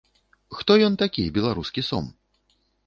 Хто ён такі, беларускі сом?